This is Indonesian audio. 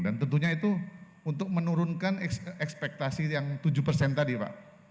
dan tentunya itu untuk menurunkan ekspektasi yang tujuh persen tadi pak